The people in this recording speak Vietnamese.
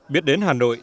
biết đến hà nội